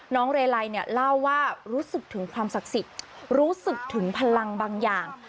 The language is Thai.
เรไลเนี่ยเล่าว่ารู้สึกถึงความศักดิ์สิทธิ์รู้สึกถึงพลังบางอย่าง